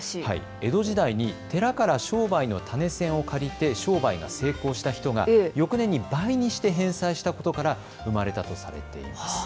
江戸時代に寺から商売の種銭を借りて、商売が成功した人が翌年に倍にして返済したことから生まれたとされています。